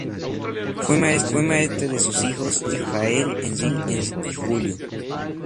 Fue maestro de arte de sus hijos Rafael, Enrique y Julio.